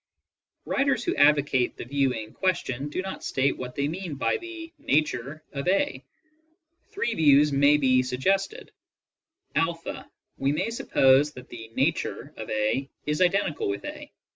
Writers who advocate the view in question do not state what they mean by the "nature" of a. Three views may be suggested: (o) We may suppose that the "nature" of a is identical with a.